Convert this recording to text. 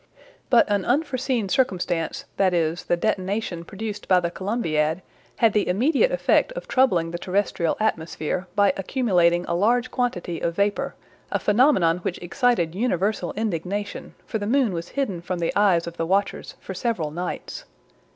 But an unforeseen circumstance, viz., the detonation produced by the Columbiad, had the immediate effect of troubling the terrestrial atmosphere, by accumulating a large quantity of vapor, a phenomenon which excited universal indignation, for the moon was hidden from the eyes of the watchers for several nights.